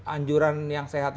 anjuran yang sehat itu